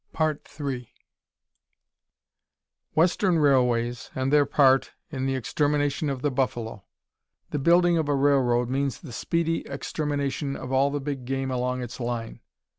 3. Western railways, and their part in the extermination of the buffalo. The building of a railroad means the speedy extermination of all the big game along its line.